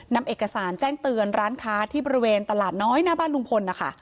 นำเอกสารแจ้งเตือนร้านค้าที่บริเวณตลาดน้อยหน้าบ้านลุงพลนะคะ